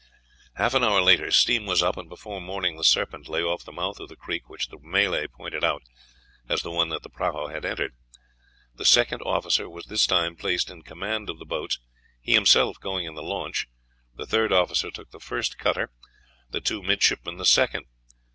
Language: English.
Half an hour later steam was up, and before morning the Serpent lay off the mouth of the creek which the Malay pointed out as the one that the prahu had entered. The second officer was this time placed in command of the boats, he himself going in the launch, the third officer took the first cutter, the two midshipmen the second.